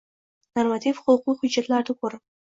normativ-huquqiy hujjatlarni ko‘rib